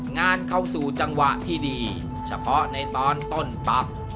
งานเข้าสู่จังหวะที่ดีเฉพาะในตอนต้นตับ